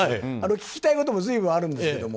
聞きたいことも随分あるんですけども。